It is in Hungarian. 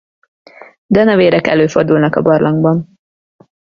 Denevérek előfordulnak a barlangban.